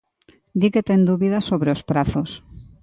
Di que ten dúbidas sobre os prazos.